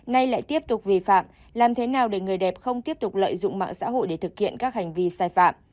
nay lại tiếp tục vi phạm làm thế nào để người đẹp không tiếp tục lợi dụng mạng xã hội để thực hiện các hành vi sai phạm